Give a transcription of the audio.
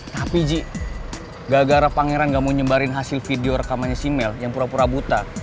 tapi ji gara gara pangeran gak mau nyebarin hasil video rekamannya si mel yang pura pura buta